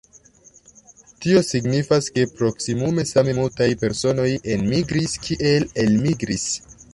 Tio signifas, ke proksimume same multaj personoj enmigris kiel elmigris.